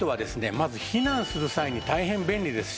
まず避難する際に大変便利ですし